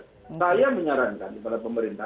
saya menyarankan kepada pemerintah